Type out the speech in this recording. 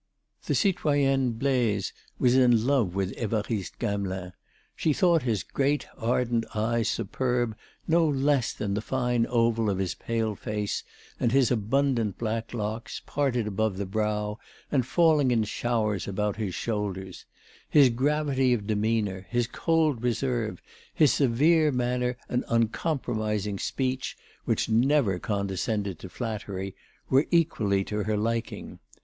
The citoyenne Blaise was in love with Évariste Gamelin; she thought his great ardent eyes superb no less than the fine oval of his pale face, and his abundant black locks, parted above the brow and falling in showers about his shoulders; his gravity of demeanour, his cold reserve, his severe manner and uncompromising speech which never condescended to flattery, were equally to her liking.